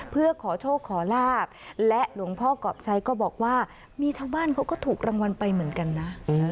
เพื่อขอโชคขอลาบและหลวงพ่อกรอบชัยก็บอกว่ามีชาวบ้านเขาก็ถูกรางวัลไปเหมือนกันนะ